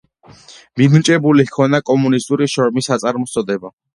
მინიჭებული ჰქონდა კომუნისტური შრომის საწარმოს წოდება.